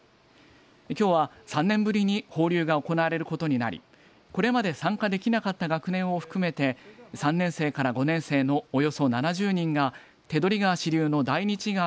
きょうは３年ぶりに放流が行われることになりこれまで参加できなかった学年を含めて３年生から５年生のおよそ７０人が手取川支流の大日川